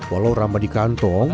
walau ramah di kantong